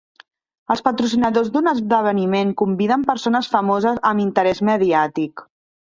Els patrocinadors d'un esdeveniment conviden persones famoses amb interès mediàtic.